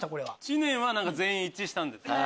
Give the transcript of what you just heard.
知念は全員一致したんですよね。